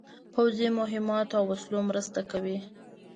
پوځي مهماتو او وسلو مرسته کوي.